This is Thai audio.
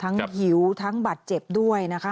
ทั้งหิวทั้งบาดเจ็บด้วยนะคะ